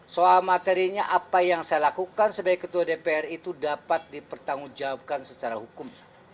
soal materinya apa yang saya lakukan sebagai ketua dpr itu dapat dipertanggungjawabkan secara hukum